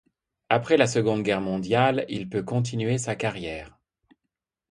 Après la Seconde Guerre mondiale, il peut continuer sa carrière.